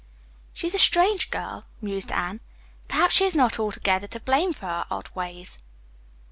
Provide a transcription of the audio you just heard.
"She is a strange girl," mused Anne. "Perhaps she is not altogether to blame for her odd ways."